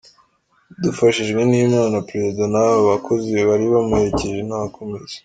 Dufashijwe n’Imana, Perezida n’aba bakozi bari bamuherekeje nta wakomeretse.